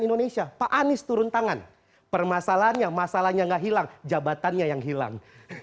indonesia pak anies turun tangan permasalahannya masalahnya enggak hilang jabatannya yang hilang